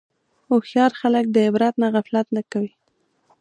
هوښیار خلک د عبرت نه غفلت نه کوي.